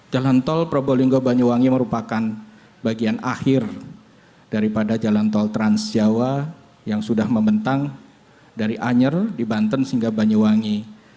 jalan tol probolinggo banyuwangi merupakan bagian akhir daripada jalan tol transjawa yang sudah membentang dari anyer di banten hingga banyuwangi